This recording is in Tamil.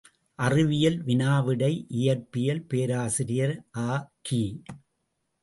அறிவியல் வினா விடை இயற்பியல் பேராசிரியர் அ.கி.